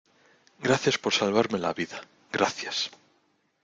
gracias por salvarme la vida, gracias.